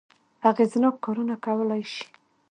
اغېزناک کارونه کولای شي.